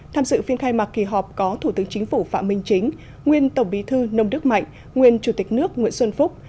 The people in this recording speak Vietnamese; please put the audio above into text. tham dự phiên khai mạc kỳ họp có thủ tướng chính phủ phạm minh chính nguyên tổng bí thư nông đức mạnh nguyên chủ tịch nước nguyễn xuân phúc